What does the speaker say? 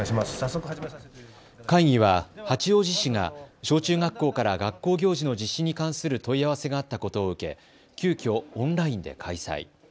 会議は八王子市が小中学校から学校行事の実施に関する問い合わせがあったことを受け急きょ、オンラインで開催。